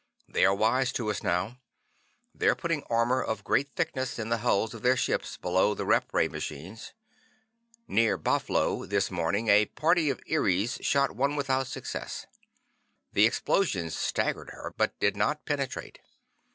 They are wise to us now. They're putting armor of great thickness in the hulls of their ships below the rep ray machines. Near Bah flo this morning a party of Eries shot one without success. The explosions staggered her, but did not penetrate.